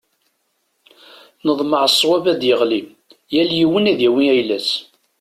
Neḍmeɛ ṣṣwab ad d-yeɣli, yal yiwen ad yawi ayla-s.